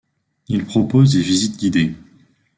Il propose des visites guidées.